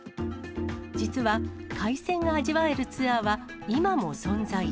実は海鮮が味わえるツアーは今も存在。